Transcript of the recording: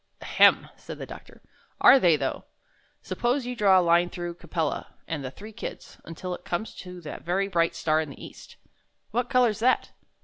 "Ahem!" said the doctor, "are they, though? Suppose you draw a line through Capella and the three Kids until it comes to that very bright star in the east. What color's that?"